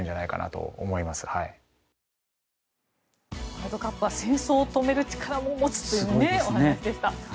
ワールドカップは戦争を止める力をも持つというお話でした。